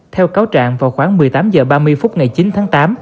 theo cáo trạng vào khoảng một mươi tám h ba mươi phút ngày chín tháng tám